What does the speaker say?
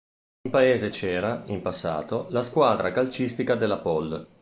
In paese c'era, in passato, la squadra calcistica della Pol.